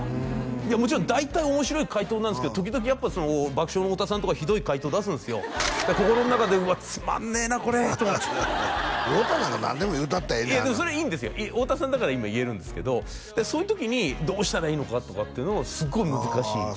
いやもちろん大体面白い解答なんですけど時々やっぱ爆笑の太田さんとかひどい解答出すんすよ心の中で「うわっつまんねえなこれ」と思って太田なんか何でも言うたったらええねやそれはいいんですよ太田さんだから今言えるんですけどそういう時にどうしたらいいのかとかっていうのがすごい難しいああ